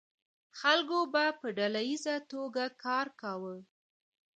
خلکو به په ډله ایزه توګه کار کاوه.